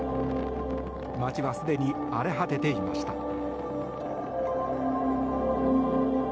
街はすでに荒れ果てていました。